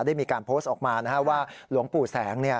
ได้มีการโพสต์ออกมาว่าหลวงปู่แสง